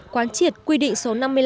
quán triệt quy định số năm mươi năm